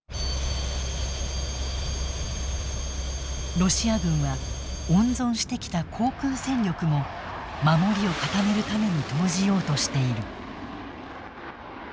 ロシア軍は温存してきた航空戦力も守りを固めるために投じようとしている。